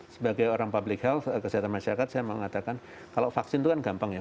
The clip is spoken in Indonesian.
sebagai orang public health kesehatan masyarakat saya mengatakan kalau vaksin itu kan gampang ya